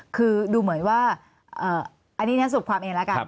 คือดูเหมือนว่าอันนี้สรุปความเองแล้วกัน